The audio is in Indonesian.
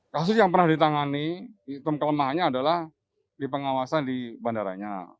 kasus yang pernah ditangani hitung kelemahannya adalah di pengawasan di bandaranya